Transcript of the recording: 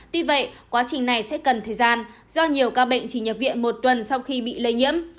tuy vậy quá trình này sẽ cần thời gian do nhiều ca bệnh chỉ nhập viện một tuần sau khi bị lây nhiễm